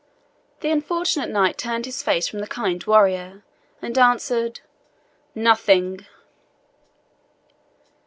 The unfortunate knight turned his face from the kind warrior, and answered, "NOTHING."